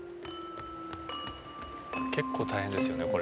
結構大変ですよねこれ。